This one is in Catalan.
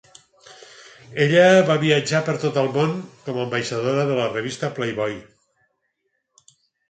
Ella va viatjar per tot el món com a ambaixadora de la revista "Playboy".